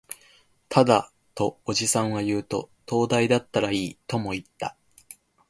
ただ、とおじさんは言うと、灯台だったらいい、とも言った